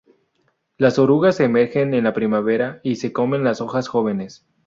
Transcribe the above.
Las orugas emergen en la primavera y se comen las hojas jóvenes.